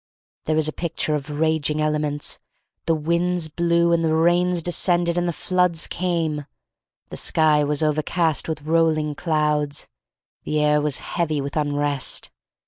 There was a picture of raging ele ments. "The winds blew, and the rains descended and the floods came." The sky was overcast with rolling clouds. The air was heavy with unrest.